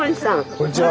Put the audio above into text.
こんにちは。